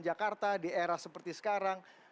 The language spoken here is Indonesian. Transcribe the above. jakarta di era seperti sekarang